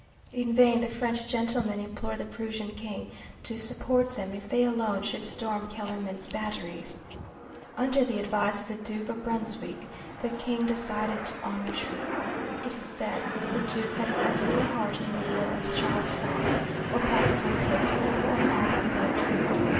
In vain the French gentlemen implored the Prussian King to support them if they alone should storm Kellermann's batteries. Under the advice of the Duke of Brunswick the King decided on retreat. It is said that the Duke had as little heart in the war as Charles Fox, or, possibly, Pitt, or as his own troops.